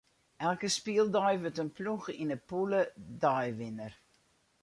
Elke spyldei wurdt in ploech yn de pûle deiwinner.